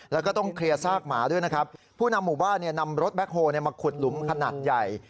แล้วก็ต้องเคลียร์ซากหมาด้วยนะครับผู้นำหมู่บ้านเนี่ยนำรถแบ็คโฮลมาขุดหลุมขนาดใหญ่